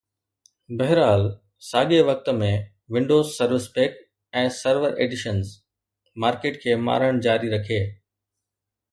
بهرحال، ساڳئي وقت ۾، Windows service pack ۽ server editions market کي مارڻ جاري رکي